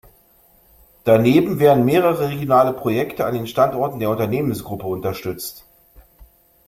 Daneben werden mehrere regionale Projekte an den Standorten der Unternehmensgruppe unterstützt.